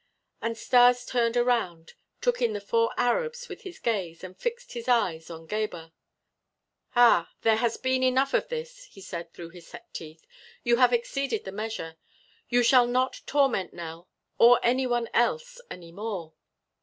And Stas turned around, took in the four Arabs with his gaze and fixed his eyes on Gebhr. "Ah! There has been enough of this!" he said through his set teeth. "You have exceeded the measure. You shall not torment Nell or any one else any more."